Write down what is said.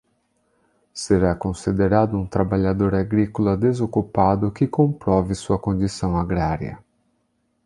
Será considerado um trabalhador agrícola desocupado que comprove sua condição agrária.